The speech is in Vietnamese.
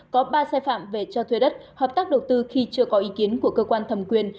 có ba sai phạm về cho thuê đất hợp tác đầu tư khi chưa có ý kiến của cơ quan thẩm quyền